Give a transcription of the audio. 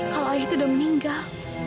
kalau ayah itu udah meninggal